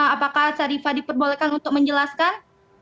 apakah syarifah diperbolehkan untuk menjelaskan